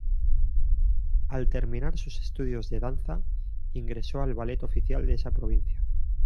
Al terminar sus estudios de danza ingresó al Ballet Oficial de esa provincia.